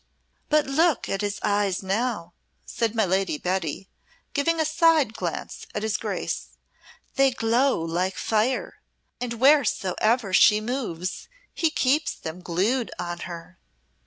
"But look at his eyes now," said my Lady Betty, giving a side glance at his Grace. "They glow like fire, and wheresoever she moves he keeps them glued on her."